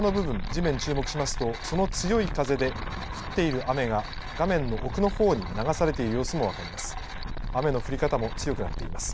地面に注目しますと、その強い風で降っている雨が画面の奥のほうに流されている様子も分かります。